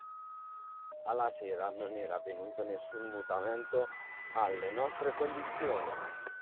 Alla sera non era avvenuto nessun mutamento alle nostre condizioni.